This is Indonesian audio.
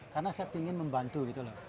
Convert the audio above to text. karena saya ingin membantu gitu loh